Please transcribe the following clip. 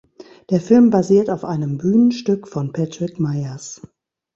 Der Film basiert auf einem Bühnenstück von "Patrick Meyers".